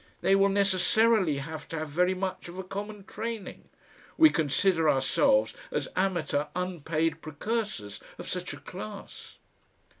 They will necessarily have to have very much of a common training. We consider ourselves as amateur unpaid precursors of such a class."...